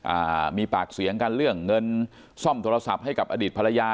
อ่ามีปากเสียงกันเรื่องเงินซ่อมโทรศัพท์ให้กับอดีตภรรยา